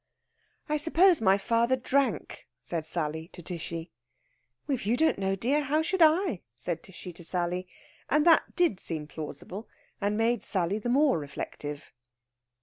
"I suppose my father drank," said Sally to Tishy. "If you don't know, dear, how should I?" said Tishy to Sally. And that did seem plausible, and made Sally the more reflective.